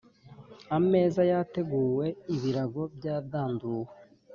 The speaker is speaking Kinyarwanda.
Ameza yateguwe, ibirago byadanduwe,